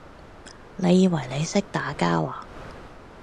你以為得你識打交呀？